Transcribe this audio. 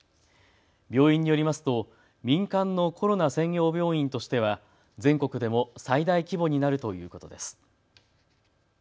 病院によりますと民間のコロナ専用病院としては全国でも最大規模になるということです。